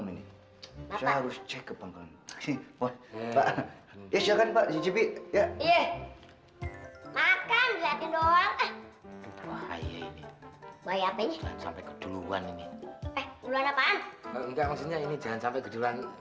ini harus cek ke penggunaan ya makan makan doang bahaya bahaya sampai keduluan ini